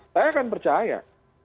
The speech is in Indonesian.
saya kan percaya